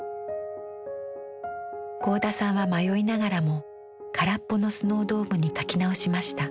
合田さんは迷いながらも空っぽのスノードームに描き直しました。